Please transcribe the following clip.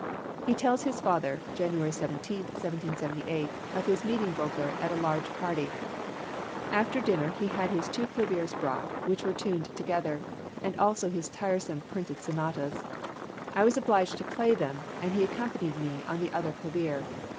He tells his father (January 17, 1778) of his meeting Vogler at a large party: After dinner he had his two claviers brought, which were tuned together, and also his tiresome printed sonatas. I was obliged to play them, and he accompanied me on the other clavier.